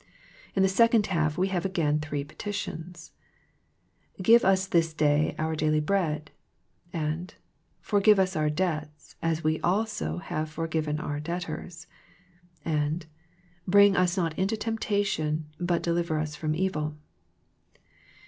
In the second half we have again three peti tions — Give ns thi3 day our daily bread. And Forgive us our debts, as we also have forgiven our debtors. And Bring us not into temptation, but deliver us from evil.